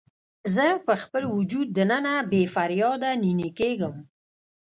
زه په خپل وجود دننه بې فریاده نینې کیږم